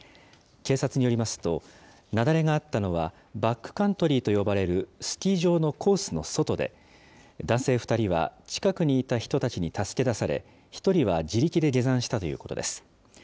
警察によりますと、雪崩があったのは、バックカントリーと呼ばれるスキー場のコースの外で、男性２人は近くにいた人たちに助け出され、１人は自力で下山したということです。